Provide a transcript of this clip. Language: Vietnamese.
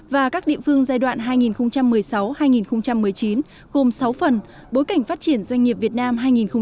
và các địa phương giai đoạn hai nghìn một mươi sáu hai nghìn một mươi chín gồm sáu phần bối cảnh phát triển doanh nghiệp việt nam hai nghìn một mươi chín